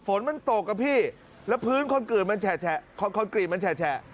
ฝนมันตกอ่ะพี่แล้วพื้นคอนกรีตมันแช่